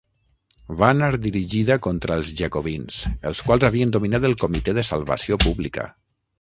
Va anar dirigida contra els Jacobins els quals havien dominat el Comitè de Salvació Pública.